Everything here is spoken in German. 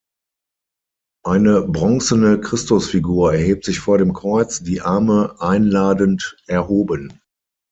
Eine bronzene Christusfigur erhebt sich vor dem Kreuz, die Arme einladend erhoben.